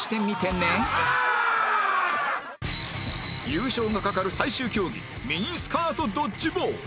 優勝が懸かる最終競技ミニスカートドッジボール